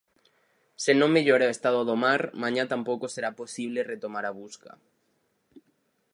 Se non mellora o estado do mar, mañá, tampouco será posible retomar a busca.